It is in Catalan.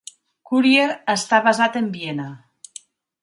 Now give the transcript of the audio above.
"Kurier" està basat en Viena.